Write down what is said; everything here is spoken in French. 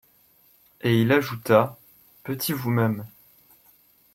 Et il ajouta: Petit vous-même.